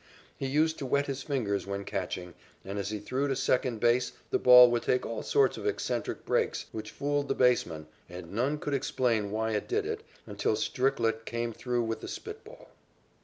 He used to wet his fingers when catching, and as he threw to second base the ball would take all sorts of eccentric breaks which fooled the baseman, and none could explain why it did it until Stricklett came through with the spit ball.